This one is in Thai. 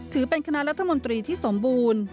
ถือเป็นคณะรัฐมนตรีที่สมบูรณ์